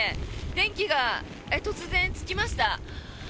電気が突然、つきました。